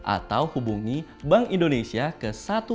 atau hubungi bank indonesia ke satu ratus tiga puluh satu